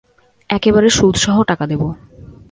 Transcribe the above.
একেবারে সুদ সহ টাকা দেবো।